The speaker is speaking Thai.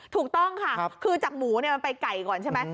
ถูกต้องค่ะคือจากหมูมันไปไก่ก่อนใช่ไหม